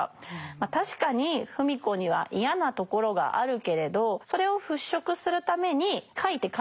ま確かに芙美子には嫌なところがあるけれどそれを払拭するために書いて書いて書きまくった。